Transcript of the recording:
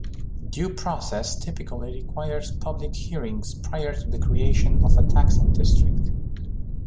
Due process typically requires public hearings prior to the creation of a taxing district.